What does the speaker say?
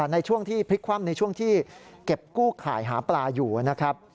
ในช่วงที่พลิกคว่ำในช่วงที่เก็บกู้ข่ายหาปลาอยู่นะครับ